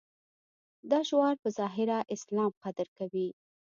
دا شعار په ظاهره اسلام قدر کوي.